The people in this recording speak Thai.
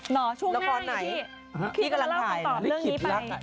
เหรอช่วงหน้าไงที่เราเล่าคำตอบเรื่องนี้ไป